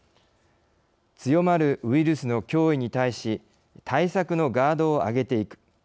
「強まるウイルスの脅威に対し対策のガードを上げていく」